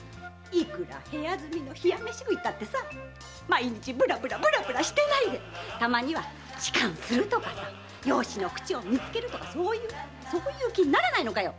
いくら部屋住みの冷や飯食いでも毎日ブラブラしてないでたまには仕官するとか養子の口を見つけるとかそういう気にならないのかよ？